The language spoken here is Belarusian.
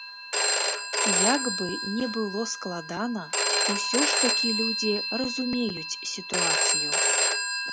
Як бы не было складана, усё ж такі людзі разумеюць сітуацыю.